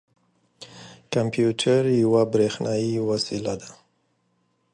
کمپیوټر یوه بریښنايې وسیله ده.